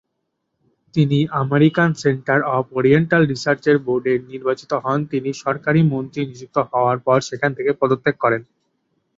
তিনি American centre of oriental রিসার্চের বোর্ডে নির্বাচিত হন, তিনি সরকারি মন্ত্রী নিযুক্ত হওয়ার পর সেখান থেকে পদত্যাগ করেন।